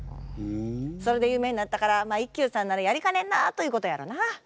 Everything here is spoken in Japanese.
それで有名になったから一休さんならやりかねんなということやろな。